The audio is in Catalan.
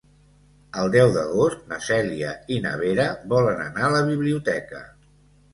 El deu d'agost na Cèlia i na Vera volen anar a la biblioteca.